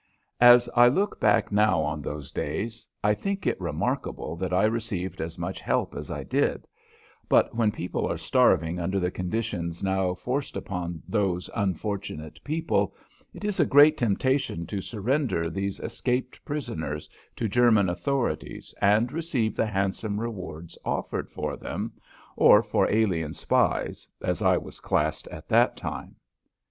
As I look back now on those days I think it remarkable that I received as much help as I did, but when people are starving under the conditions now forced upon those unfortunate people it is a great temptation to surrender these escaped prisoners to German authorities and receive the handsome rewards offered for them or for alien spies, as I was classed at that time.